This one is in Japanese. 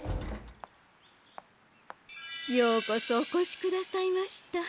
ようこそおこしくださいました。